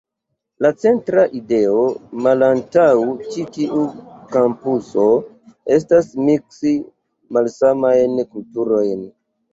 La centra ideo malantaŭ ĉi tiu kampuso estas miksi malsamajn kulturojn.